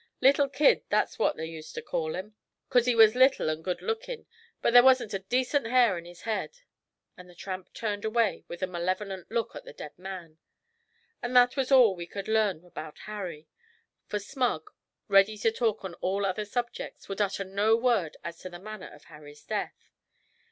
"Little Kid," that's what they used ter call him, 'cause he was little an' good lookin'; but there wasn't a decent hair in his head.' And the tramp turned away with a malevolent look at the dead man. And that was all we could learn about 'Harry,' for Smug, ready to talk on all other subjects, would utter no word as to the manner of Harry's death.